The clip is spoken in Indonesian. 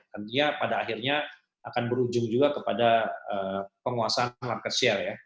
tentunya pada akhirnya akan berujung juga kepada penguasaan market share ya